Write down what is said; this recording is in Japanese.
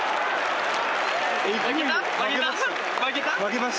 負けた？